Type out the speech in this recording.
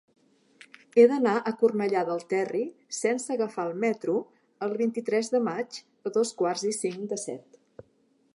He d'anar a Cornellà del Terri sense agafar el metro el vint-i-tres de maig a dos quarts i cinc de set.